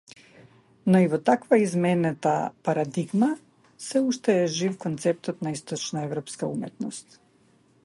Но и во таквата изменета парадигма, сѐ уште е жив концептот на источноеврпската уметност.